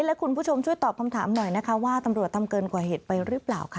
และคุณผู้ชมช่วยตอบคำถามหน่อยนะคะว่าตำรวจทำเกินกว่าเหตุไปหรือเปล่าค่ะ